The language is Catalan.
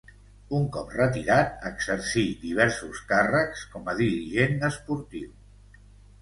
Un cop retirat exercí diversos càrrecs com a dirigent esportiu.